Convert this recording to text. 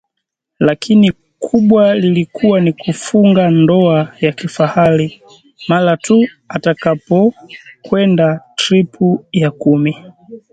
Lakini kubwa lilikuwa ni kufunga ndoa ya kifahari mara tu atakakapokwenda tripu ya kumi